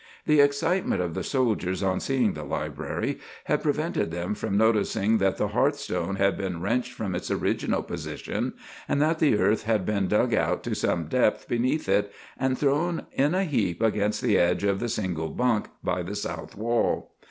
The excitement of the soldiers on seeing the library had prevented them from noticing that the hearthstone had been wrenched from its original position, and that the earth had been dug out to some depth beneath it and thrown in a heap against the edge of the single bunk by the south wall.